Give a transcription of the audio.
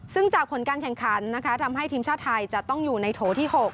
ซึ่งจากผลการแข่งขันนะคะทำให้ทีมชาติไทยจะต้องอยู่ในโถที่๖